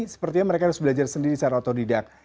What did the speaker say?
sepertinya mereka harus belajar sendiri secara otodidak